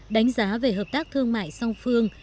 đánh giá về hợp tác thương mại song phương